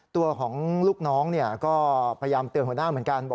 ตัวของลูกน้องก็พยายามเตือนหัวหน้าเหมือนกัน